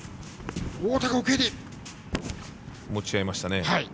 持ち合いましたね。